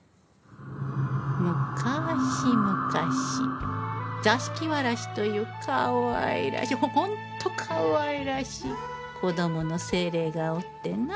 むかしむかし座敷わらしというかわいらしい本当かわいらしい子供の精霊がおってな。